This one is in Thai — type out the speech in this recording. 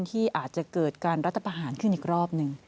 ที่อาจจะเกิดการรัฐประหารขึ้นอีกรอบหนึ่ง